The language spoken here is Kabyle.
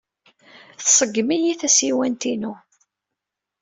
Tṣeggem-iyi tasiwant-inu.